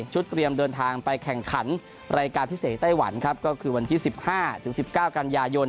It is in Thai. เตรียมเดินทางไปแข่งขันรายการพิเศษไต้หวันครับก็คือวันที่๑๕๑๙กันยายน